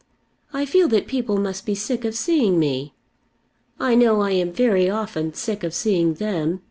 I feel that people must be sick of seeing me. I know I am very often sick of seeing them.